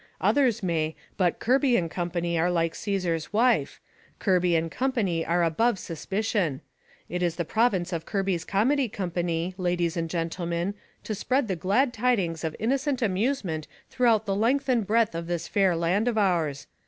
Others may, but Kirby and Company are like Caesar's wife Kirby and Company are above suspicion. It is the province of Kirby's Komedy Kompany, ladies and gentlemen, to spread the glad tidings of innocent amusement throughout the length and breadth of this fair land of ours.